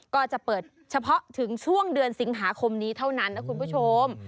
ก็จะเปิดเฉพาะถึงช่วงเดือนสิงหาคมนี้เท่านั้นนะคุณผู้ชม